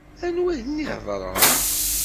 Anwa i d-iheḍṛen?